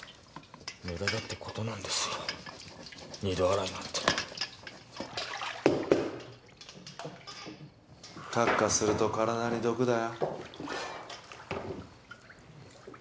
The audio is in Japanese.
ムダだってことなんですよ二度洗いなんてカッカすると体に毒だよ